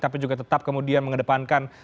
tetapi tetap kemudian mengedepankan